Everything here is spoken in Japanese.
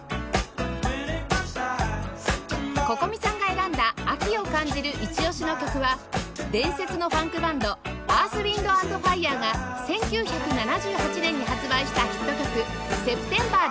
Ｃｏｃｏｍｉ さんが選んだ秋を感じるイチオシの曲は伝説のファンクバンドアース・ウィンド＆ファイアーが１９７８年に発売したヒット曲『セプテンバー』です